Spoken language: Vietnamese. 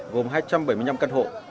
gồm hai trăm bảy mươi năm căn hộ